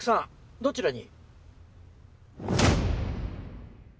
どちらに？